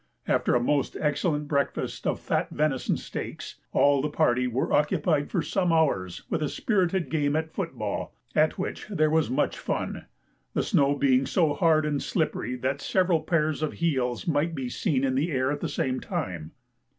After a most excellent breakfast of fat venison steaks, all the party were occupied for some hours with a spirited game at foot ball, at which there was much fun, the snow being so hard and slippery that several pairs of heels might be seen in the air at the same time.